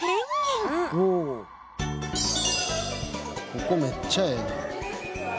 ここめっちゃええな。